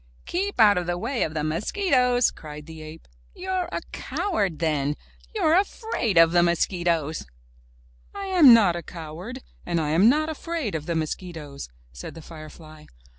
''Keep out of the way of the mosquitoes!'' cried the ape. ''You're a coward then! You're afraid of the mosquitoes!" "I am not a coward, and I am not afraid of the mosquitoes!" said the firefly.